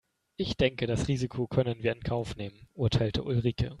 Ich denke das Risiko können wir in Kauf nehmen, urteilte Ulrike.